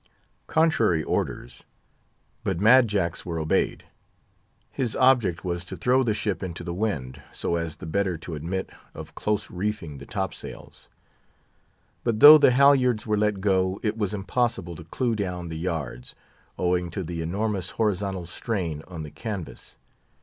Contrary orders! but Mad Jack's were obeyed. His object was to throw the ship into the wind, so as the better to admit of close reefing the top sails. But though the halyards were let go, it was impossible to clew down the yards, owing to the enormous horizontal strain on the canvas.